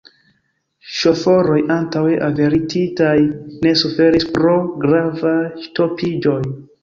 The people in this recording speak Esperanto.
Ŝoforoj, antaŭe avertitaj, ne suferis pro gravaj ŝtopiĝoj.